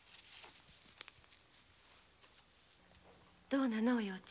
どうなの？